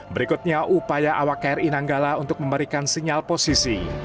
berikutnya upaya awak kri nanggala untuk memberikan sinyal posisi